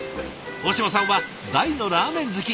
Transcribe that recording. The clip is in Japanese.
大嶋さんは大のラーメン好き。